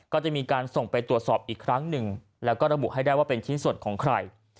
ก็จะมีการส่งไปตรวจสอบอีกครั้งหนึ่งแล้วก็ระบุให้ได้ว่าเป็นชิ้นส่วนของใคร